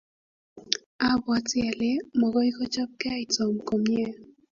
abwatii ale mokoi kichopkei Tom komie.